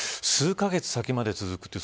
数カ月先まで続く。